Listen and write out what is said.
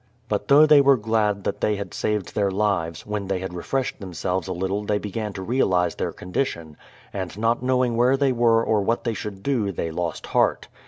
But though they were glad that they had saved their lives, when they had refreshed themselves a little they began to realize their condition, and not knowing where they were or what they should do they lost heart.